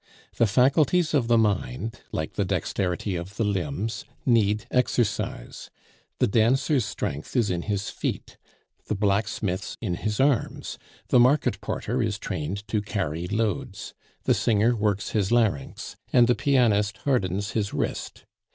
The faculties of the mind, like the dexterity of the limbs, need exercise. The dancer's strength is in his feet; the blacksmith's in his arms; the market porter is trained to carry loads; the singer works his larynx; and the pianist hardens his wrist.